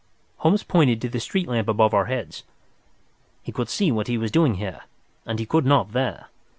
Holmes pointed to the street lamp above our heads. "He could see what he was doing here, and he could not there.